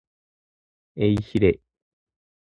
エイヒレ